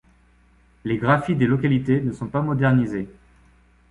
Les graphies des localités ne sont pas modernisées.